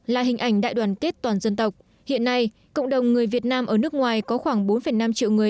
là hình ảnh đại đoàn kết toàn dân tộc hiện nay cộng đồng người việt nam ở nước ngoài có khoảng bốn năm triệu người